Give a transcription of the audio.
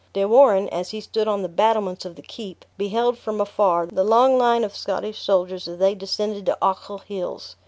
De Warenne, as he stood on the battlements of the keep, beheld from afar the long line of Scottish soldiers as they descended the Ochil Hills.